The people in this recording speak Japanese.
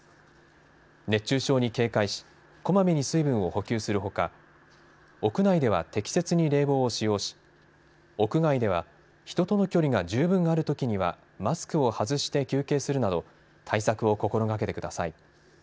熱中症に警戒しこまめに水分を補給するほか屋内では適切に冷房を使用し屋外では人との距離が十分あるときにはマスクを外して休憩するなど対策を心がけてください。